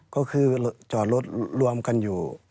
ก็คือจอดรถรวมกันอยู่